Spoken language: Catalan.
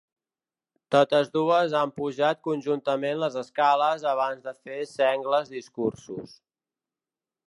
Totes dues han pujat conjuntament les escales abans de fer sengles discursos.